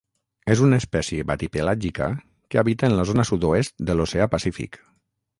És una espècie batipelàgica que habita en la zona sud-oest de l'oceà Pacífic.